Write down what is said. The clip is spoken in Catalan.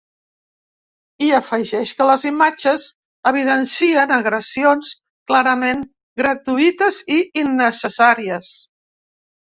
I afegeix que les imatges evidencien ‘agressions clarament gratuïtes’ i ‘innecessàries’.